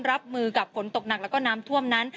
รับมือกับฝนตกหนักแล้วก็น้ำท่วมนั้น